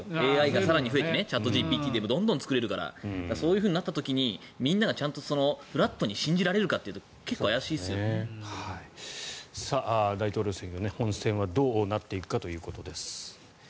ＡＩが更に増えてチャットＧＰＴでどんどん作れるからそういうふうになった時にみんながフラットに信じられるかというのは大統領選挙本選はどうなっていくかということです。